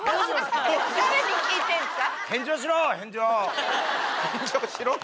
誰に聞いてるんですか？